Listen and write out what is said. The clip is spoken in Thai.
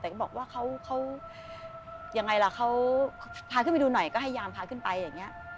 แต่ก็บอกว่าเขายังไงล่ะเขาพาขึ้นไปดูหน่อยก็พยายามพาขึ้นไปอย่างนี้